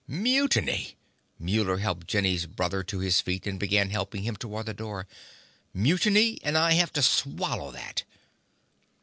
"Mutiny!" Muller helped Jenny's brother to his feet and began helping him toward the door. "Mutiny! And I have to swallow that!"